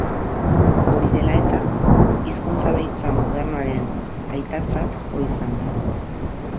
Hori dela eta, hizkuntzalaritza modernoaren aitatzat jo izan da.